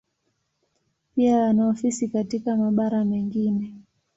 Pia wana ofisi katika mabara mengine.